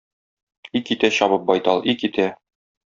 И китә чабып, байтал, и китә!